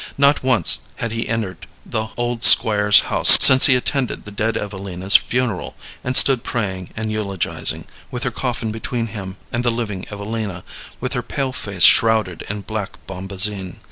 Not once had he entered the old Squire's house since he attended the dead Evelina's funeral, and stood praying and eulogizing, with her coffin between him and the living Evelina, with her pale face shrouded in black bombazine.